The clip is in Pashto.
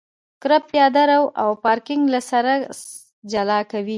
کرب پیاده رو او پارکینګ له سرک جلا کوي